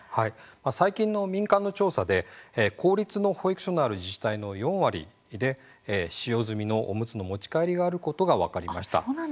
最近の民間の調査で公立の保育所のある自治体の４割で使用済みのおむつの持ち帰りがあることが分かりました。